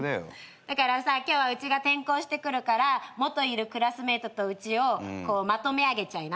だから今日はうちが転校してくるから元いるクラスメートとうちをまとめあげちゃいな。